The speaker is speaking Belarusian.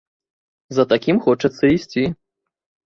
За такім хочацца ісці.